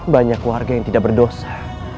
banyak warga yang tidak berdosa